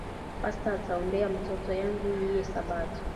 pasta ataombeya mutoto yangu iyi sabato